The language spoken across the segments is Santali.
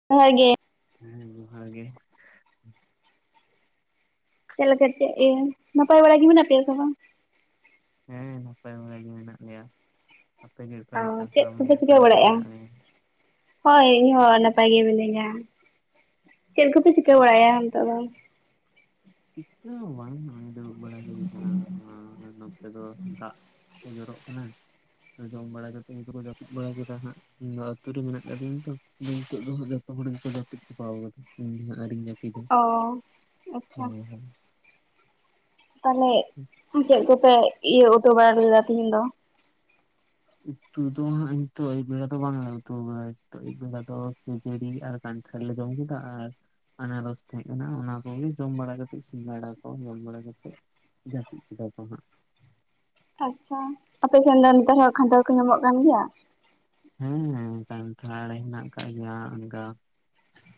[unintelligible] ᱦᱮᱸ ᱡᱚᱦᱟᱨ ᱜᱮ᱾ ᱪᱮᱫ ᱞᱮᱠᱟ ᱪᱮᱫ ᱤᱭᱟᱹ ᱱᱟᱯᱟᱭ ᱵᱟᱲᱟ ᱜᱮ ᱢᱮᱱᱟᱜ ᱯᱮᱭᱟ ᱥᱮ ᱵᱟᱝ? ᱦᱮᱸ ᱱᱟᱯᱟᱭ ᱵᱟᱲᱟ ᱜᱮ ᱢᱮᱱᱟᱜ ᱞᱮᱭᱟ ᱟᱯᱮᱜᱮ ᱚᱠᱟ ᱚ ᱞᱮᱠᱟ ᱪᱮᱫ ᱟᱢ ᱠᱚᱯᱮ ᱜᱮ ᱚᱠᱟ ᱪᱤᱠᱟᱹ ᱞᱮᱠᱟ ᱵᱟᱲᱟᱭᱮᱜᱼᱟ? ᱢᱮᱱᱟᱜ ᱢᱮᱭᱟ? ᱦᱳᱭ ᱤᱧ ᱦᱚᱸ ᱱᱟᱯᱟᱭ ᱜᱮ ᱢᱤᱱᱟᱹᱧᱟ ᱪᱮᱫ ᱠᱚᱯᱮ ᱪᱤᱠᱟᱹ ᱵᱟᱲᱟᱭᱟ ᱱᱤᱛᱚᱜ ᱫᱚ? ᱪᱤᱠᱟᱹ ᱦᱚᱸ ᱵᱟᱝ ᱱᱚᱜ-ᱚᱭ ᱫᱩᱲᱩᱵ ᱵᱟᱲᱟ ᱦᱩᱭ ᱟᱠᱟᱱᱟ ᱱᱚᱛᱮ ᱫᱚ ᱫᱟᱜᱼᱼ ᱠᱚ ᱡᱚᱨᱚᱜ ᱠᱟᱱᱟ ᱡᱚᱢ ᱵᱟᱲᱟ ᱠᱟᱛᱮᱫ ᱩᱱᱠᱩ ᱠᱚ ᱡᱟᱹᱯᱤᱫ ᱵᱟᱲᱟ ᱠᱮᱫᱟ ᱦᱟᱸᱜ᱾ ᱤᱧ ᱫᱚ ᱟᱹᱛᱩ ᱨᱮ ᱢᱮᱱᱟᱜ ᱠᱟᱫᱤᱧᱟ ᱛᱚ ᱱᱤᱛᱚᱜ ᱫᱚ ᱡᱚᱛᱚ ᱦᱚᱲ ᱜᱮᱠᱚ ᱡᱟᱹᱯᱤᱫ ᱪᱟᱯᱟ ᱟᱠᱟᱫᱟ ᱤᱧ ᱜᱮ ᱦᱟᱸᱜ ᱟᱣᱨᱤᱧ ᱡᱟᱹᱯᱤᱫᱟ᱾ ᱚ᱾ ᱦᱩᱸ ᱦᱩᱸ᱾ ᱛᱟᱦᱚᱞᱮᱼᱼ ᱦᱩᱸ᱾ ᱪᱮᱫ ᱠᱚᱯᱮ ᱤᱭᱟᱹ ᱩᱛᱩ ᱵᱟᱲᱟ ᱞᱮᱫᱟ ᱛᱤᱦᱤᱧ ᱫᱚ? ᱩᱛᱩ ᱫᱚ ᱦᱟᱸᱜ ᱱᱤᱛᱚᱜ ᱟᱹᱭᱩᱵ ᱵᱮᱲᱟ ᱫᱚ ᱵᱟᱝᱞᱮ ᱩᱛᱩ ᱟᱠᱟᱫᱟ ᱦᱮᱛᱳᱜ ᱟᱹᱭᱩᱵ ᱵᱮᱲᱟ ᱫᱚ ᱠᱷᱟᱹᱡᱟᱹᱲᱤ ᱟᱨ ᱠᱟᱱᱼᱼ [unintelligible] ᱡᱚᱢ ᱠᱮᱫᱟ ᱟᱨᱼᱼ ᱟᱱᱟᱨᱚᱥ ᱛᱟᱦᱮᱸ ᱠᱟᱱᱟ ᱚᱱᱟ ᱠᱚᱜᱮ ᱡᱚᱢ ᱵᱟᱲᱟ ᱠᱟᱛᱮᱫ ᱥᱤᱸᱜᱟᱹᱲᱟ ᱠᱚ ᱡᱚᱢ ᱵᱟᱲᱟ ᱠᱟᱛᱮᱫᱼᱼ ᱡᱟᱹᱯᱤᱫ ᱠᱮᱫᱟ ᱠᱚ ᱦᱟᱸᱜ᱾ ᱟᱪᱪᱷᱟ ᱟᱯᱮ ᱥᱮᱱ ᱫᱚ ᱱᱮᱛᱟᱨ ᱦᱚᱸ ᱠᱷᱟᱴᱟᱲ ᱠᱚ ᱧᱟᱢᱚᱜ ᱠᱟᱱ ᱜᱮᱭᱟ? ᱦᱮᱸ ᱠᱟᱱᱴᱷᱟᱲ ᱦᱮᱱᱟᱜ ᱠᱟᱜ ᱜᱮᱭᱟ ᱚᱱᱠᱟᱼᱼ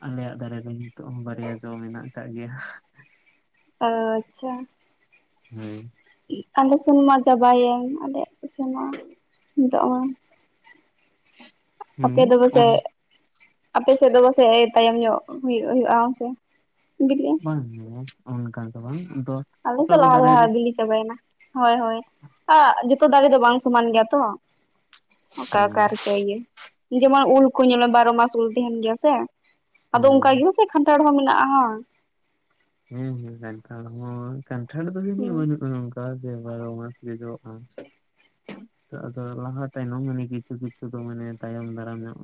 ᱟᱞᱮᱭᱟᱜ ᱫᱟᱨᱮ ᱨᱮ ᱱᱤᱛᱚᱜ ᱦᱚᱸ ᱵᱟᱨᱭᱟ ᱡᱚ ᱢᱮᱱᱟᱜ ᱠᱟᱜ ᱜᱮᱭᱟ᱾ ᱚ ᱟᱪᱪᱷᱟ᱾ ᱦᱩᱸ᱾ ᱟᱞᱮ ᱥᱮᱱ ᱢᱟ ᱪᱟᱵᱟᱭᱮᱱ ᱟᱞᱮᱭᱟᱜ ᱥᱮᱱ ᱢᱟ ᱱᱤᱛᱚᱜ ᱢᱟᱼᱼ ᱦᱩᱸ ᱟᱯᱮ ᱫᱚ ᱚᱱ ᱯᱟᱥᱮᱫᱼᱼ ᱟᱯᱮ ᱥᱮᱫ ᱫᱚ ᱯᱟᱥᱮᱡ [unintelligible] ᱛᱟᱭᱚᱢ ᱧᱚᱜ ᱦᱩᱭᱩᱜ ᱦᱩᱭᱩᱜᱼᱟ ᱦᱮᱸᱥᱮ? ᱵᱟᱝ ᱦᱩᱭᱩᱜ-ᱟ ᱚᱱᱠᱟ ᱫᱚ ᱵᱟᱝ ᱟᱫᱚᱼᱼ ᱟᱞᱮ ᱥᱮᱫ ᱞᱟᱦᱟ ᱞᱟᱦᱟ ᱵᱤᱞᱤ ᱪᱟᱵᱟᱭᱮᱱᱟ, ᱦᱳᱭ ᱦᱳᱭ, ᱟᱨ ᱡᱚᱛᱚ ᱫᱟᱨᱮ ᱫᱚ ᱵᱟᱝ ᱥᱚᱢᱟᱱ ᱜᱮᱭᱟ ᱛᱚ᱾ ᱚᱠᱟ ᱦᱮᱸ ᱚᱠᱟ ᱨᱮ ᱪᱚ ᱤᱭᱟᱹ, ᱡᱮᱢᱚᱱ ᱩᱞ ᱠᱚ ᱧᱮᱞ ᱢᱮ ᱵᱟᱨᱚ ᱢᱟᱥ ᱩᱞ ᱛᱟᱦᱮᱱ ᱜᱮᱭᱟ ᱥᱮ᱾ ᱟᱫᱚ ᱚᱱᱠᱟ ᱦᱮᱸ ᱜᱮ ᱥᱮ ᱠᱷᱟᱱᱴᱷᱟᱲ ᱦᱚᱸ ᱢᱮᱱᱟᱜᱼᱟ᱾ ᱦᱮᱸ ᱦᱮᱸ ᱠᱟᱱᱴᱷᱟᱲ ᱦᱚᱸ, ᱠᱟᱱᱴᱷᱟᱲ ᱫᱚ ᱥᱮ ᱪᱮᱫ ᱵᱟᱱᱩᱜ-ᱟ᱾ [inaudible] ᱵᱟᱨᱚ ᱢᱟᱥ ᱜᱮ ᱡᱚᱜ-ᱟ᱾ ᱟᱫᱚ ᱞᱟᱦᱟ ᱛᱟᱭᱱᱚᱢ ᱢᱟᱱᱮ ᱠᱤᱪᱷᱩ ᱠᱤᱪᱷᱩ ᱫᱚ ᱢᱟᱱᱮ ᱛᱟᱭᱚᱢ ᱫᱟᱨᱟᱢ ᱧᱚᱜ᱾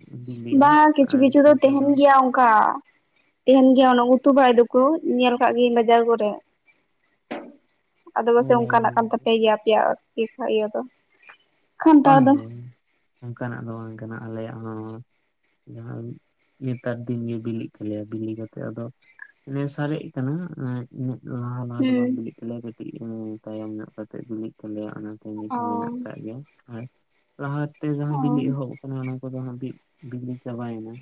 ᱵᱟᱝ ᱠᱤᱪᱷᱩ ᱠᱤᱪᱷᱩ ᱫᱚ ᱛᱮᱦᱮᱱ ᱜᱮᱭᱟ ᱚᱱᱠᱟ᱾ ᱛᱟᱦᱮᱱ ᱜᱮᱭᱟ ᱚᱱᱟ ᱩᱛᱩ ᱵᱟᱲᱟᱭ ᱫᱚᱠᱚ ᱧᱮᱞ ᱠᱟᱜ ᱜᱤᱭᱟᱹᱧ ᱵᱟᱡᱟᱨ ᱠᱚᱨᱮᱜ᱾ ᱟᱫᱚ ᱯᱟᱥᱮᱜ ᱚᱱᱠᱟᱱᱟᱜ ᱠᱟᱱ ᱛᱟᱯᱮ ᱜᱮᱭᱟ ᱟᱯᱮᱭᱟᱜ [inaudible] ᱤᱭᱟᱹ ᱫᱚ᱾ ᱠᱷᱟᱱᱴᱟᱲ ᱫᱚ ᱵᱟᱝᱜᱮ ᱚᱱᱠᱟᱱᱟᱜ ᱫᱚ ᱵᱟᱝ ᱠᱟᱱᱟ ᱟᱞᱮᱭᱟᱜ ᱦᱚᱸ᱾ ᱡᱟᱦᱟᱸ ᱱᱮᱛᱟᱨ ᱫᱤᱱ ᱜᱮ ᱵᱤᱞᱤᱜ ᱛᱟᱞᱮᱭᱟ ᱵᱤᱞᱤ ᱠᱟᱛᱮᱜ ᱟᱫᱚ ᱚᱱᱮ ᱥᱟᱨᱮᱡ ᱠᱟᱱᱟ ᱮᱸᱜ ᱩᱱᱟᱹᱜ ᱞᱟᱦᱟ ᱞᱟᱦᱟ ᱫᱚ ᱦᱩᱸ ᱵᱟᱝ ᱵᱤᱞᱤᱜ ᱛᱟᱞᱮᱭᱟ ᱠᱟᱴᱤᱡ ᱮᱸ ᱛᱟᱭᱚᱢ ᱧᱚᱜ ᱠᱟᱛᱮᱜ ᱵᱤᱞᱤᱜ ᱛᱞᱮᱭᱟ ᱚᱱᱟ ᱛᱮ ᱚ ᱱᱤᱛᱦᱚᱸ ᱢᱮᱱᱟᱜ ᱠᱟᱜ ᱜᱮᱭᱟ ᱟᱨ ᱞᱟᱦᱟᱛᱮ ᱡᱟᱦᱟᱸ ᱚ ᱵᱤᱞᱤ ᱮᱦᱚᱵ ᱠᱟᱱᱟ ᱚᱱᱟ ᱠᱚᱫᱚ ᱦᱟᱸᱜ ᱵᱤ ᱵᱤᱞᱤ ᱪᱟᱵᱟᱭᱮᱱᱟ᱾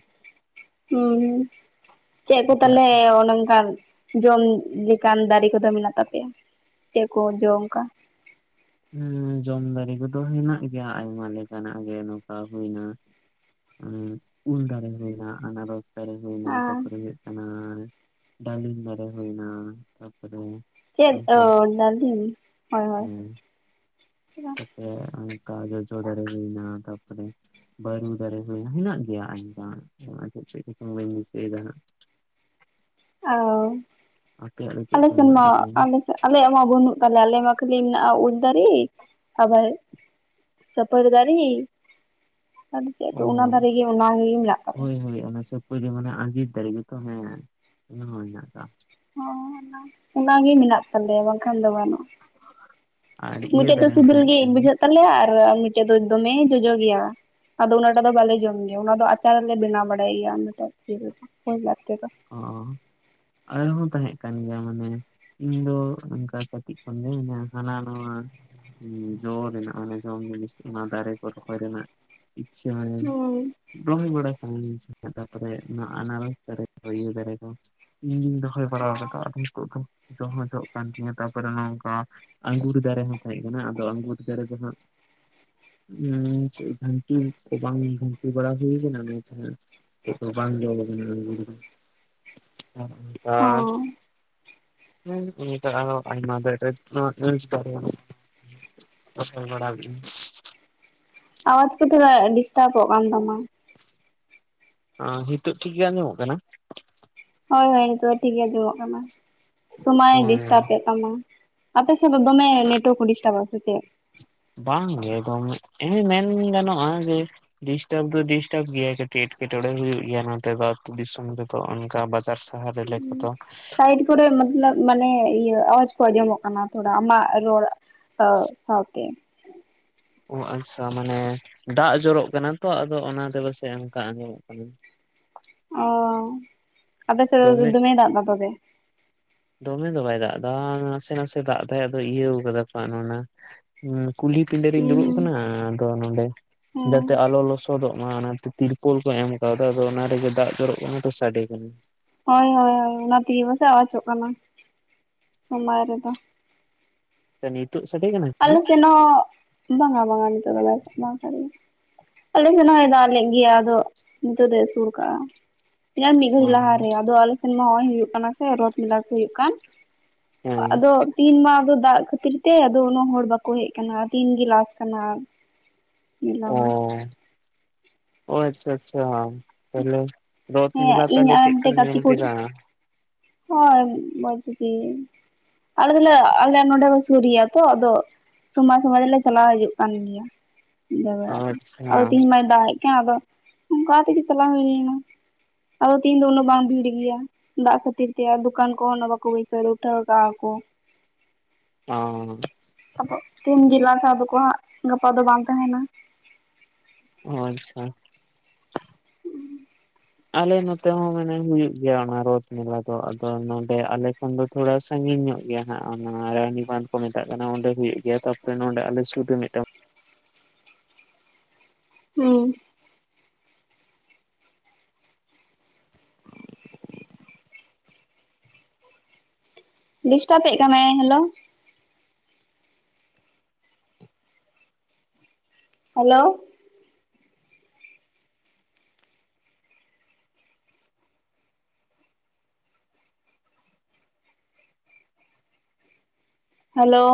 ᱦᱩᱸ ᱪᱮᱫ ᱠᱚ ᱱᱟᱥᱮᱭᱟᱜ ᱛᱟᱞᱦᱮ ᱚᱱᱮ ᱚᱱᱠᱟᱱ ᱡᱚᱢ ᱞᱮᱠᱟᱱ ᱫᱟᱨᱮ ᱠᱚᱫᱚ ᱢᱮᱱᱟᱜ ᱛᱟᱯᱮᱭᱟ, ᱪᱮᱫ ᱠᱚ ᱡᱚ ᱚᱱᱠᱟ? ᱦᱩᱸ ᱡᱚᱢ ᱫᱟᱨᱮ ᱠᱚᱫᱚ ᱦᱮᱱᱟᱜ ᱜᱮᱭᱟ ᱟᱭᱢᱟ ᱞᱮᱠᱟᱱᱟᱜ ᱜᱮ ᱱᱚᱝᱠᱟ ᱦᱩᱭᱱᱟ ᱩᱸ ᱩᱞ ᱫᱟᱨᱮ ᱦᱩᱭᱮᱱᱟ ᱟᱱᱟᱨᱚᱥ ᱫᱟᱨᱮ ᱦᱩᱭᱱᱟ ᱟᱨ ᱛᱟᱯᱚᱨᱮ ᱦᱩᱭᱩᱜ ᱠᱟᱱᱟ ᱰᱟᱹᱞᱤᱢ ᱫᱟᱨᱮ ᱦᱩᱭᱱᱟ ᱛᱟᱯᱚᱨᱮ ᱪᱮᱫ ᱚ ᱚᱱᱠᱟ ᱰᱟᱞᱤᱢ ᱦᱳᱭ ᱦᱳᱭ᱾ ᱦᱮᱸ ᱥᱮ ᱚᱱᱠᱟ ᱡᱚᱡᱚ ᱫᱟᱨᱮ ᱦᱩᱭᱮᱱᱟ ᱛᱟᱯᱚᱨᱮ ᱵᱟᱨᱩ ᱫᱟᱨᱮ ᱦᱩᱭ ᱦᱮᱱᱟᱜ ᱜᱮᱭᱟ ᱟᱭᱢᱟ ᱟᱨ ᱪᱮᱫ ᱪᱮᱫ ᱠᱚᱪᱚᱝ ᱵᱟᱹᱧ ᱫᱤᱥᱟᱹᱭᱮᱫᱟ ᱦᱟᱸᱜ᱾ ᱚ, ᱟᱯᱮᱭᱟᱜ ᱫᱚ ᱪᱮᱫ ᱟᱞᱮ ᱠᱚ ᱥᱮᱱ ᱢᱮᱱᱟᱜ ᱢᱟ ᱛᱟᱯᱮᱭᱟ ᱟᱞᱮ ᱥᱮᱫ ᱟᱞᱮᱭᱟᱜ ᱢᱟ ᱵᱟᱹᱱᱩᱜ ᱛᱟᱞᱮᱭᱟ ᱟᱞᱮ ᱢᱟ ᱠᱷᱟᱹᱞᱤ ᱢᱮᱱᱟᱜᱼᱟ ᱩᱞ ᱫᱟᱨᱮ ᱟᱵᱟᱨ ᱥᱟᱹᱯᱟᱹᱨᱤ ᱫᱟᱨᱮ, ᱟᱫᱚ ᱪᱮᱫ ᱚ ᱟᱫᱚ ᱚᱱᱟ ᱫᱟᱨᱮ ᱚᱱᱟᱜᱮ ᱢᱮᱱᱟᱜ ᱛᱟᱞᱮᱭᱟ᱾ ᱦᱳᱭ ᱦᱳᱭ ᱚᱱᱟ ᱥᱟᱹᱯ ᱯᱟᱹᱨᱤ ᱢᱟᱱᱮ ᱟᱸᱡᱤᱨ ᱫᱟᱨᱮ ᱜᱮᱛᱚ ᱦᱮᱸ ᱚᱱᱟ ᱦᱚᱸ ᱦᱮᱱᱟᱜ ᱟᱠᱟᱜ-ᱟ᱾ ᱦᱚᱸ ᱚᱱᱟ, ᱚᱱᱟᱜᱮ ᱢᱮᱱᱟᱜ ᱛᱟᱞᱮᱭᱟ ᱵᱟᱝᱠᱷᱟᱱ ᱫᱚ ᱵᱟᱝ᱾ ᱟᱨ ᱤᱭᱟᱹ ᱢᱤᱫᱴᱮᱡ ᱫᱚ ᱫᱟᱨᱮ ᱦᱚᱸ ᱥᱤᱵᱤᱞ ᱛᱟᱦᱮᱸ ᱜᱮ ᱠᱟᱱ ᱜᱮᱭᱟ ᱵᱩᱡᱷᱟᱹᱜ ᱛᱟᱞᱮᱭᱟ ᱟᱨ ᱢᱤ ᱴᱮᱡ ᱫᱚ ᱫᱚᱢᱮ ᱡᱚᱡᱚ ᱜᱮᱭᱟ ᱟᱫᱚ ᱚᱱᱟᱴᱟᱜ ᱫᱚ ᱵᱟᱞᱮ ᱡᱚᱢ ᱜᱮᱭᱟ ᱚᱱᱟ ᱫᱚ ᱟᱪᱟᱨᱞᱮ ᱵᱮᱱᱟᱣ ᱵᱟᱲᱟ [unintelligible] ᱚ ᱟᱨᱦᱚᱸ ᱛᱟᱦᱮᱸᱜ ᱠᱟᱱ ᱜᱮᱭᱟ ᱢᱟᱱᱮ ᱤᱧ ᱫᱚ ᱱᱚᱝᱠᱟ ᱠᱟᱹᱴᱤᱡ ᱠᱷᱚᱱ ᱜᱮ [inaudible] ᱦᱟᱱᱟ ᱱᱚᱣᱟ ᱦᱩᱸ ᱡᱚ ᱨᱮᱱᱟᱜ ᱚᱱᱮ ᱡᱚᱢ ᱡᱤᱱᱤᱥ ᱚᱱᱟ ᱫᱟᱨᱮ ᱠᱚ ᱨᱚᱦᱚᱭ ᱨᱮᱱᱟᱜ ᱦᱩᱸ [inaudible] ᱛᱟᱨᱯᱚᱨᱮ ᱚᱱᱟ ᱟᱱᱟᱨᱚᱥ ᱫᱟᱨᱮ᱾ [inaudible] ᱫᱟᱨᱮ ᱠᱚ ᱤᱧ ᱜᱤᱱ ᱨᱚᱦᱚᱭ ᱵᱟᱲᱟᱣ ᱠᱟᱫᱟ ᱟᱫᱚ ᱛᱳᱜ ᱫᱚ ᱡᱚ ᱦᱚᱸ ᱡᱚᱜ ᱠᱟᱱ ᱛᱤᱧᱟᱹ ᱛᱟᱯᱚᱨᱮ ᱱᱚᱝᱠᱟ ᱟᱺᱜᱩᱨᱤ ᱫᱟᱨᱮ ᱦᱚᱸ ᱛᱟᱦᱮᱸᱜ ᱠᱟᱱᱟ ᱟᱫᱚ ᱟᱺᱜᱩᱨᱤ ᱫᱟᱨᱮ ᱫᱚ ᱦᱟᱸᱜ ᱩᱸ ᱪᱮᱫ ᱡᱷᱟᱹᱱᱴᱤ ᱠᱚ ᱵᱟᱝ ᱡᱷᱟᱹᱱᱴᱤ ᱵᱟᱲᱟ ᱦᱩᱭ ᱟᱠᱟᱱᱟ ᱟᱫᱚ ᱛᱟᱞᱦᱮ ᱪᱮᱫ ᱦᱚᱸ [inaudible] ᱟᱸᱜᱤᱨ ᱫᱚ᱾ ᱚ [inaudible] [inaudible] [inaudible] ᱟᱣᱟᱡᱽ ᱠᱚ ᱛᱷᱚᱲᱟ ᱰᱤᱥᱴᱟᱯᱚᱜ ᱠᱟᱱ ᱛᱟᱢᱟ᱾ ᱟᱸ ᱱᱤᱛᱚᱜ ᱴᱷᱤᱠ ᱜᱮ ᱟᱸᱡᱚᱢᱚᱜ ᱠᱟᱱᱟ? ᱦᱳᱭ ᱦᱳᱭ ᱱᱤᱛᱚᱜ ᱫᱚ ᱴᱷᱤᱠ ᱜᱮ ᱟᱸᱡᱚᱢᱚᱜ ᱠᱟᱱᱟ, ᱥᱚᱢᱚᱭ ᱦᱳᱭ ᱰᱤᱥᱴᱟᱯᱮᱜ ᱛᱟᱢᱟ᱾ ᱟᱯᱮ ᱥᱮᱫ ᱫᱚᱢᱮ ᱱᱮᱴᱣᱟᱨᱠ ᱰᱤᱥᱴᱟᱵᱽ ᱟ ᱥᱮ ᱪᱮᱜ? ᱵᱟᱝᱜᱮ ᱮᱫᱚᱢ ᱢᱮᱱ ᱜᱟᱱᱚᱜᱼᱟ ᱡᱮ ᱰᱤᱥᱴᱟᱨᱵ ᱫᱚ ᱰᱤᱥᱴᱟᱨᱵ ᱜᱮᱭᱟ ᱠᱟᱹᱴᱤᱡ ᱮᱴᱠᱮᱴᱚᱬᱮ ᱦᱩᱭᱩᱜ ᱜᱮᱭᱟ ᱟᱹᱛᱩ ᱫᱤᱥᱚᱢ ᱨᱮ᱾ ᱛᱚ ᱚᱱᱠᱟ ᱵᱟᱡᱟᱨ ᱥᱟᱦᱟᱨ ᱨᱮ ᱨᱤᱞᱟᱹ ᱠᱚᱫᱚ ᱴᱟᱭᱤᱰ ᱠᱚᱨᱮ ᱢᱟᱛᱞᱚᱵ ᱢᱟᱱᱮ ᱤᱭᱟᱹ ᱟᱣᱟᱡᱽ ᱠᱚ ᱟᱸᱡᱚᱢᱚᱜ ᱠᱟᱱᱟ ᱛᱷᱚᱲᱟ ᱟᱢᱟᱜ ᱨᱚᱲ᱾ ᱚ ᱥᱟᱶᱛᱮ᱾ ᱚ ᱟᱪᱪᱷᱟ ᱢᱟᱱᱮ ᱫᱟᱜ ᱡᱚᱨᱚᱜ ᱠᱟᱱᱟ ᱛᱚ ᱟᱫᱚ ᱚᱱᱟᱛᱮ ᱯᱟᱥ ᱚᱱᱠᱟ ᱟᱸᱡᱚᱢᱚᱜ ᱠᱟᱱᱟ᱾ ᱚᱻ ᱟᱯᱮ ᱥᱮᱫ ᱫᱚᱢᱮ ᱫᱚᱢᱮᱭ ᱫᱟᱜ ᱫᱟ ᱛᱚᱵᱮ? ᱫᱚᱢᱮ ᱫᱚ ᱵᱟᱭ ᱫᱟᱜ ᱮᱫᱟ ᱱᱟᱥᱮ ᱱᱟᱥᱮ ᱫᱟᱜ ᱫᱟᱭ ᱟᱫᱚ ᱤᱭᱟᱹᱣ ᱠᱟᱫᱟ ᱠᱚ ᱚᱱᱟ ᱦᱩᱸ ᱠᱩᱞᱦᱤ ᱯᱤᱸᱰᱟᱹ ᱨᱤᱧ ᱦᱩᱸ ᱫᱩᱲᱩᱵ ᱦᱩᱸ ᱠᱟᱱᱟ ᱟᱫᱚ ᱱᱚᱰᱮ ᱦᱮᱸ ᱡᱟᱛᱮ ᱟᱞᱚ ᱞᱚᱥ ᱥᱚᱫᱚᱜ ᱢᱟ ᱚᱱᱟᱛᱮ ᱛᱤᱨᱯᱳᱞ ᱠᱚ ᱮᱢ ᱠᱟᱣᱫᱟ ᱟᱫᱚ ᱚᱱᱟ ᱨᱮᱜᱮ ᱫᱟᱜ ᱡᱚᱨᱚᱜ ᱠᱟᱱᱟ ᱛᱚ ᱥᱟᱰᱮ ᱠᱟᱱᱟ᱾ ᱦᱚᱭ ᱦᱚᱭ ᱦᱚᱭ ᱚᱱᱟ ᱛᱮᱜᱮ ᱯᱟᱥᱮᱜ ᱟᱣᱟᱡᱚᱜ ᱠᱟᱱᱟ ᱥᱚᱢᱟᱝ ᱨᱮᱫᱚ᱾ ᱮ ᱱᱤᱛᱚᱜ ᱥᱮ ᱟᱞᱮ ᱥᱮᱱ ᱦᱚᱸ ᱵᱟᱝᱼᱟ ᱵᱟᱝᱼᱟ ᱱᱤᱛᱚᱜ ᱫᱚ ᱵᱟᱝ ᱥᱟᱰᱮ ᱟᱞᱮ ᱥᱮᱱ ᱦᱳᱭ ᱫᱟᱜ ᱞᱮ ᱜᱮᱭᱟ ᱟᱫᱚ ᱱᱤᱛᱚᱜ ᱫᱚ ᱟᱥᱩᱨ ᱠᱟᱜᱼᱟ᱾ ᱤᱱᱟᱝ ᱢᱤᱫ ᱜᱷᱟᱹᱲᱤᱡ ᱞᱟᱦᱟᱨᱮ ᱟᱫᱚ ᱟᱞᱮ ᱥᱮᱱ ᱢᱟ ᱱᱚᱜᱚᱭ ᱦᱩᱭᱩᱜ ᱠᱟᱱᱟ ᱥᱮ ᱨᱚᱛ ᱢᱮᱞᱟ ᱠᱚ ᱦᱩᱭᱩᱜ ᱠᱟᱱ᱾ ᱦᱮᱸ ᱟᱫᱚ ᱛᱤᱦᱤᱱ ᱢᱟ ᱟᱫᱚ ᱫᱟᱜ ᱠᱷᱟᱹᱛᱤᱨ ᱛᱮ ᱟᱫᱚ ᱩᱱᱟᱹᱜ ᱦᱚᱲ ᱵᱟᱠᱚ ᱦᱮᱜ ᱠᱟᱱᱟ ᱛᱦᱤᱱᱜᱮ ᱞᱟᱥ ᱠᱟᱱᱟ᱾ ᱢᱮᱞᱟ ᱢᱟ ᱚᱻ ᱚ ᱟᱪᱪᱷᱟ ᱟᱪᱪᱷᱟ ᱛᱟᱦᱞᱮ ᱫᱚ ᱛᱤ ᱦᱮᱸ ᱢᱮᱞᱟ ᱤᱧ ᱛᱟᱦᱚᱞᱮ ᱟᱨ ᱪᱮᱜ ᱞᱮᱠᱟᱢ ᱢᱤᱫᱴᱮᱡ ᱜᱟᱛᱮ ᱧᱮᱞ ᱠᱩᱲᱤ ᱠᱮᱫᱟ? ᱦᱳᱭ ᱢᱚᱪᱜᱤ ᱟᱞᱮ ᱫᱚᱞᱮ ᱟᱞᱮ ᱱᱚᱸᱰᱮ ᱠᱚ ᱥᱩᱨ ᱜᱤᱭᱟ ᱛᱚ ᱟᱫᱚ ᱥᱚᱢᱚᱭ ᱥᱚᱢᱚᱭ ᱫᱚᱞᱮ ᱪᱟᱞᱟᱣ ᱦᱤᱡᱩᱜ ᱠᱟᱱ ᱜᱮᱭᱟ, ᱵᱮᱲᱟ ᱛᱮ ᱟᱪᱪᱷᱟ ᱟᱫᱚ ᱛᱮᱦᱮᱧ ᱢᱟᱭ ᱫᱟᱜ ᱠᱟᱱ ᱟᱫᱚ ᱚᱝᱠᱟ ᱛᱮᱜᱮ ᱪᱟᱞᱟᱣ ᱦᱩᱭᱱᱟ᱾ ᱟᱫᱚ ᱛᱮᱦᱤᱧ ᱫᱚ ᱩᱱᱟᱹᱜ ᱵᱟᱝ ᱵᱷᱤᱲ ᱜᱮᱭᱟ ᱫᱟᱜ ᱠᱷᱟᱹᱛᱤᱨ᱾ ᱛᱮ ᱟᱨ ᱫᱚᱠᱟᱱ ᱠᱚᱦᱚᱸ ᱵᱟᱠᱚ ᱵᱟᱹᱭᱥᱟᱹ ᱩᱴᱷᱟᱹᱣ ᱠᱟᱜ ᱠᱚ᱾ ᱚᱻ ᱟᱵᱚ ᱛᱤᱱ ᱡᱮᱞᱟ ᱥᱮ ᱟᱫᱚ ᱠᱚ ᱜᱟᱯᱟ ᱫᱚ ᱵᱟᱝ ᱛᱟᱦᱮᱱᱟ᱾ ᱚ ᱟᱪᱪᱷᱟ᱾ ᱦᱩᱸ ᱟᱞᱮ ᱱᱚᱛᱮ ᱦᱚᱸ ᱢᱟᱱᱮ ᱦᱩᱭᱩᱜ ᱜᱮᱭᱟ ᱚᱱᱟ ᱨᱚᱛᱷ ᱢᱮᱞᱟ ᱫᱚ ᱟᱫᱚ ᱱᱚᱸᱰᱮ ᱟᱞᱮ ᱠᱷᱚᱱ ᱫᱚ ᱛᱷᱚᱲᱟ ᱥᱟᱺᱜᱤᱧ ᱧᱚᱜ ᱜᱮᱭᱟ ᱦᱟᱸᱜ ᱚᱱᱟ ᱨᱟᱱᱤᱵᱟᱸᱫ ᱠᱚ ᱢᱮᱛᱟᱜ ᱠᱟᱱᱟ ᱚᱸᱰᱮ ᱦᱩᱭᱩᱜ ᱜᱮᱭᱟ ᱛᱟᱯᱚᱨᱮ ᱱᱚᱰᱮ ᱟᱞᱮ ᱥᱩᱨ ᱨᱮ ᱢᱤᱫᱴᱟᱝ ᱦᱩᱸ ᱰᱤᱥᱴᱟᱯᱮ ᱠᱟᱱᱟᱭ ᱦᱮᱞᱳ᱾ Hello hello